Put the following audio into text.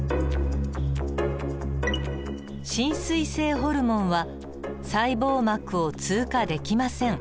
親水性ホルモンは細胞膜を通過できません。